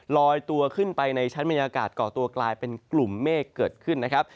ลอยตัวขึ้นไปในชั้นบรรยากาศก่อตัวกลายเป็นกลุ่มเมฆเกิดขึ้นนะครับ